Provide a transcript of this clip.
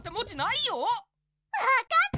⁉わかった！